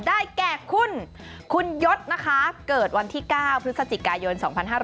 ได้แก่คุณคุณยศนะคะเกิดวันที่๙พฤศจิกายน๒๕๖๐